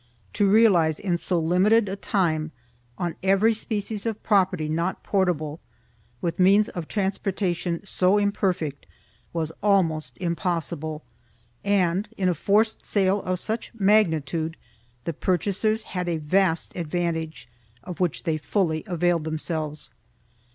To realize in so limited a time on every species of property not portable, with means of transportation so imperfect, was almost impossible and, in a forced sale of such magnitude, the purchasers had a vast advantage of which they fully availed themselves.